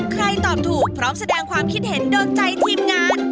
ตอบถูกพร้อมแสดงความคิดเห็นโดนใจทีมงาน